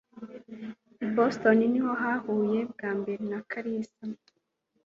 I Boston niho nahuye bwa mbere na kalisa.